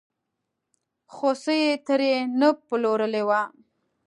خوسی یې ترې نه پلورلی و.